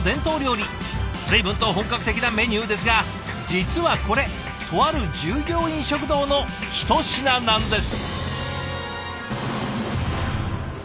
随分と本格的なメニューですが実はこれとある従業員食堂のひと品なんです。